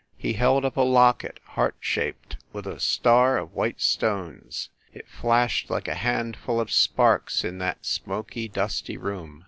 He held up a locket heart shaped, with a star of white stones. It flashed like a handful of sparks in that smoky, dusty room.